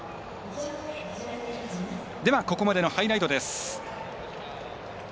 ここまでのハイライトです。